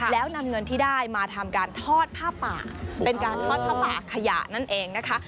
แล้วนำเงินที่ได้มาทำการทอดผ้าป่าเป็นการทอดผ้าป่าขยะนั่นเองนะคะ